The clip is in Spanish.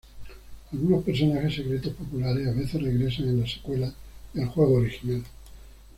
Algunos personajes secretos populares a veces regresan en las secuelas del juego original.